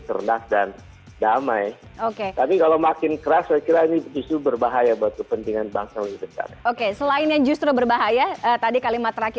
serendah dan damai